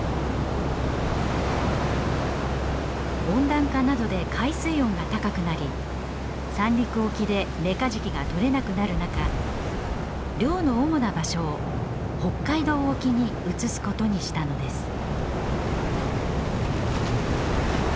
温暖化などで海水温が高くなり三陸沖でメカジキがとれなくなる中漁の主な場所を北海道沖に移すことにしたのです。